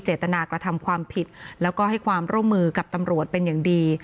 เจตนากระทำความผิดแล้วก็ให้ความร่วมมือกับตำรวจเป็นอย่างดี